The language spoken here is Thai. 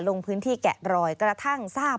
ลงพื้นที่แกะรอยกระทั่งทราบ